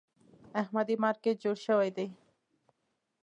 احمدي مارکېټ جوړ شوی دی.